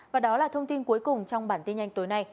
và đó là thông tin cuối cùng trong bản tin nhanh tối nay